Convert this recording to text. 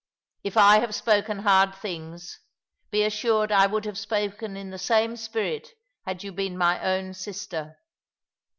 If I have spoken hard things, be assured I would have spoken in the same spirit had you been my own sister.